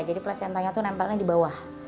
jadi placentanya tuh nempelnya di bawah